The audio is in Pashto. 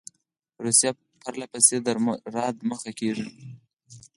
روسیه پر له پسې را دمخه کیږي.